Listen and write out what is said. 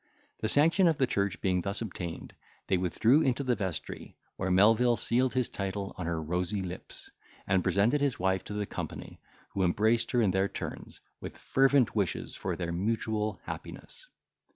The sanction of the church being thus obtained, they withdrew into the vestry, where Melvil sealed his title on her rosy lips, and presented his wife to the company, who embraced her in their turns, with fervent wishes for their mutual happiness.